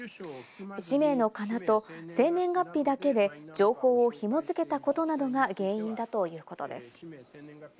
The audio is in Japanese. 氏名のかなと生年月日だけで情報をひも付けたことなどが原因だということです。